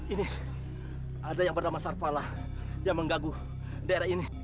ini ada yang bernama sarfalah yang menggaguh daerah ini